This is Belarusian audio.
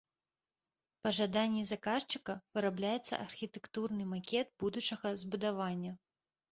Па жаданні заказчыка вырабляецца архітэктурны макет будучага збудавання.